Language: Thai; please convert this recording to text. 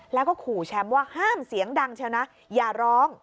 แล้วก็ขู่แชมป์ว่าห้ามเสียงดังเชียวนะอย่าร้อง